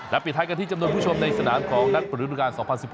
ปิดท้ายกันที่จำนวนผู้ชมในสนามของนัดปริดูการ๒๐๑๖